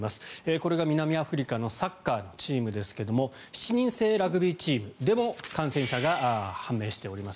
これが南アフリカのサッカーのチームですけども７人制ラグビーチームでも感染者が判明しています。